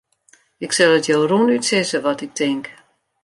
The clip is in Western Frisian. Ik sil it jo rûnút sizze wat ik tink.